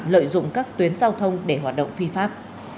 lợi dụng các tuyến giao thông để hoạt động phi pháp